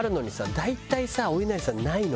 大体さおいなりさんないのよ。